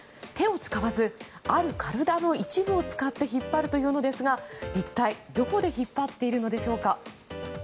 手を使わずある体の一部を使って引っ張るというのですが一体どこで引っ張っているのでしょうか。